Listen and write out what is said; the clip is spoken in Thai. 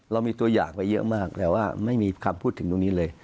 เรามีตัวอย่างไปเยอะมากแต่ว่าไม่มีคำพูดถึงตรงนี้เลย